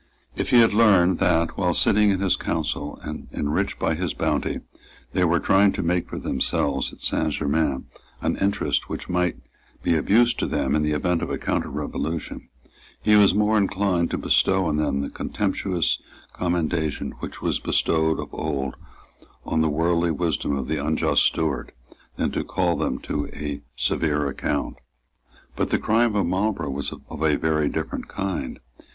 If he learned that, while sitting in his council and enriched by his bounty, they were trying to make for themselves at Saint Germains an interest which might be of use to them in the event of a counterrevolution he was more inclined to bestow on them the contemptuous commendation which was bestowed of old on the worldly wisdom of the unjust steward than to call them to a severe account. But the crime of Marlborough was of a very different kind.